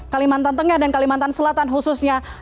kalimantan tengah dan kalimantan selatan khususnya